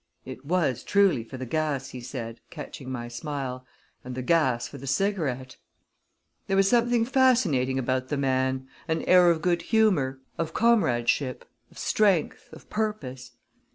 "It was truly for the gas," he said, catching my smile; "and the gas for the cigarette!" There was something fascinating about the man; an air of good humor, of comradeship, of strength, of purpose.